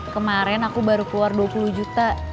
kemarin aku baru keluar dua puluh juta